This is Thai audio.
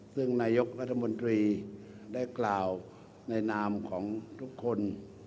ซึ่งนายกรัฐมนตรีได้กล่าวในนามของทุกคน